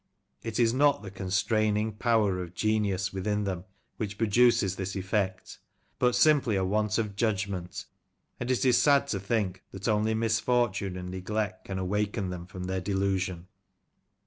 It is not the constrain ing power of genius within them which produces this effect, but simply a want of judgment, and it is sad to think that only misfortune and neglect can awaken them from their delusion.